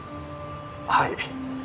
はい。